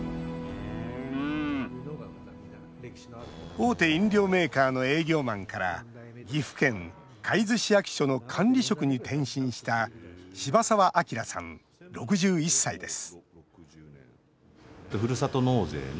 大手飲料メーカーの営業マンから岐阜県海津市役所の管理職に転身した柴澤亮さん、６１歳です